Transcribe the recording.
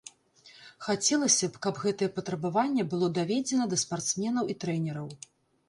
Хацелася б, каб гэтае патрабаванне было даведзена да спартсменаў і трэнераў.